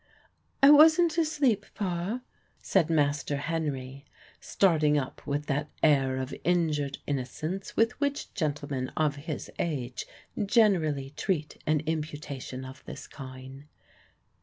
"I wasn't asleep, pa," said Master Henry, starting up with that air of injured innocence with which gentlemen of his age generally treat an imputation of this kind.